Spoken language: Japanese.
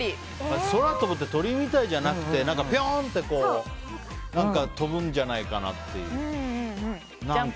空飛ぶって鳥みたいじゃなくてピョンって跳ぶんじゃないかなっていう。